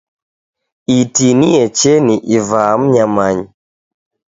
Iti ni yecheni ivaa mnyamanyi.